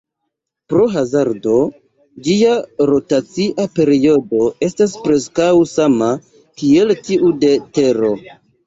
Pro hazardo, ĝia rotacia periodo estas preskaŭ sama kiel tiu de Tero.